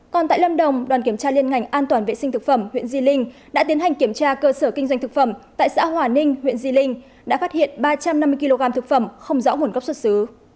còn tại lâm đồng đoàn kiểm tra liên ngành an toàn vệ sinh thực phẩm huyện di linh đã tiến hành kiểm tra cơ sở kinh doanh thực phẩm tại xã hòa ninh huyện di linh đã phát hiện ba trăm năm mươi kg thực phẩm không rõ nguồn gốc xuất xứ